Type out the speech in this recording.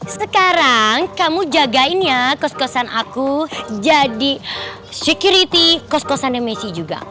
sekarang kamu jagain ya kos kosan aku jadi security cost kosannya messi juga